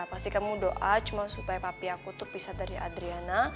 pasti kamu doa cuma supaya papi aku tuh bisa dari adriana